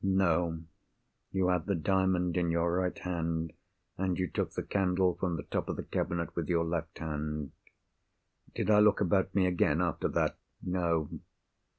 "No. You had the Diamond in your right hand; and you took the candle from the top of the cabinet with your left hand." "Did I look about me again, after that?" "No."